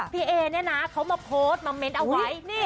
พี่เอเนี่ยนะเขามาโพสต์มาเมนต์เอาไว้